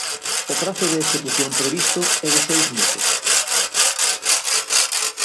O prazo de execución previsto é de seis meses.